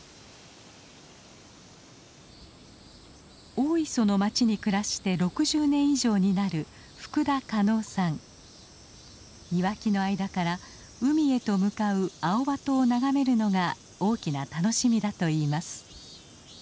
大磯の町に暮らして６０年以上になる庭木の間から海へと向かうアオバトを眺めるのが大きな楽しみだといいます。